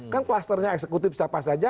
kan klusternya eksekutif siapa saja